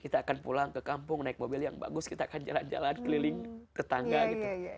kita akan pulang ke kampung naik mobil yang bagus kita akan jalan jalan keliling tetangga gitu